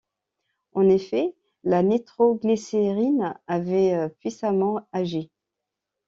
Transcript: En effet, la nitro-glycérine avait puissamment agi.